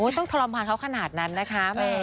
ต้องทรมานเขาขนาดนั้นนะคะแหม